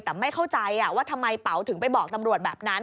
แต่ไม่เข้าใจว่าทำไมเป๋าถึงไปบอกตำรวจแบบนั้น